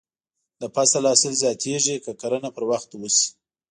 د فصل حاصل زیاتېږي که کرنه پر وخت وشي.